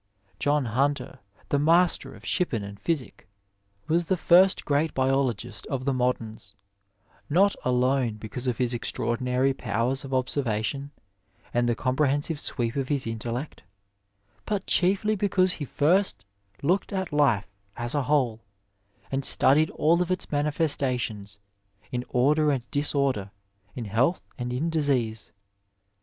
John Hunter, the master of Shippen and Physick, was the first great biologist of the modems, not alone because of his extraordinary powers of observa tion and the comprehensive sweep of his intellect, but chiefly because he first looked at life as a whole, and studied all of its manifestations, in order and disorder, in health and in disease.